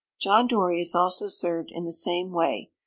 John Dory is also served in the same way.